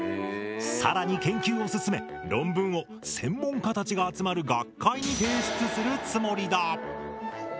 更に研究を進め論文を専門家たちが集まる学会に提出するつもりだ。